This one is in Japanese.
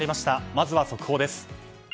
まずは速報です。